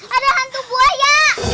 ada hantu buaya